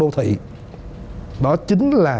đô thị đó chính là